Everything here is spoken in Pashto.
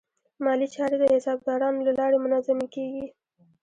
مالي چارې د حسابدارانو له لارې منظمې کېږي.